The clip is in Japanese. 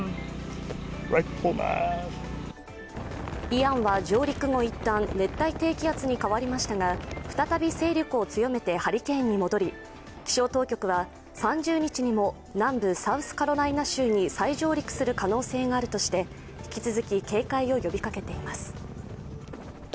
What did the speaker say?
イアンは上陸後、一旦、熱帯低気圧に変わりましたが再び勢力を強めてハリケーンに戻り気象当局は、３０日にも南部サウスカロライナ州に再上陸する可能性があるとして引き続き警戒を呼びかけています。